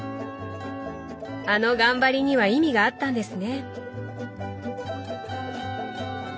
あの頑張りには意味があったんですね。